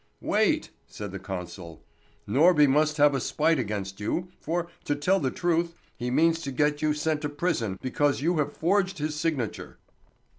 "Wait!" said the consul. "Norby must have a spite against you, for, to tell the truth, he means to get you sent to prison because you have forged his signature."